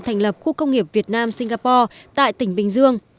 thành lập khu công nghiệp việt nam singapore tại tỉnh bình dương